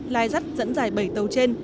lai rắt dẫn dài bảy tàu trên